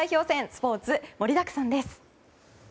スポーツ盛りだくさんです。